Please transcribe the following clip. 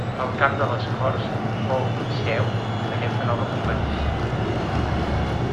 El camp de les Corts fou seu d'aquesta nova competició.